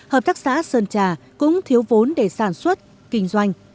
hợp tác xã sơn trà cũng thiếu vốn để sản xuất kinh doanh